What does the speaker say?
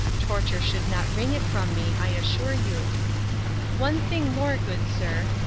Torture should not wring it from me, I assure you. 'One thing more, good sir.